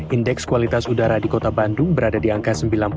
indeks kualitas udara di kota bandung berada di angka sembilan puluh sembilan